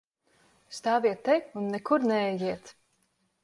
Stāviet te un nekur neejiet!